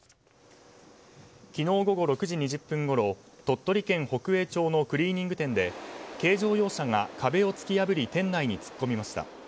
昨日午後６時２０分ごろ鳥取県北栄町のクリーニング店で軽乗用車が壁を突き破り店内に突っ込みました。